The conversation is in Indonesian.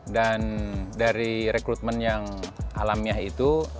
dan dari rekrutmen yang alamiah itu